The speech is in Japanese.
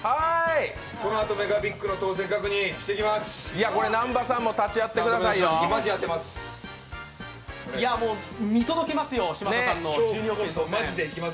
このあとＭＥＧＡＢＩＧの当選確認していきます。